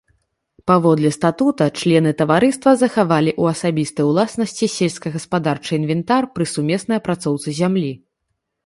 Паводле статута члены таварыства захавалі ў асабістай уласнасці сельскагаспадарчы інвентар пры сумеснай апрацоўцы зямлі.